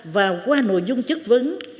và qua nội dung chất vấn